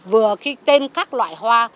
vừa cái tên các loại hoa